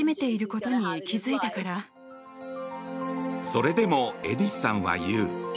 それでもエディスさんは言う。